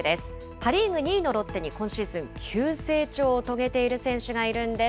パ・リーグ２位のロッテに、今シーズン、急成長を遂げている選手がいるんです。